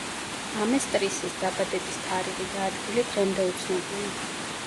ამესტრისის დაბადების თარიღი და ადგილი დღემდე უცნობია.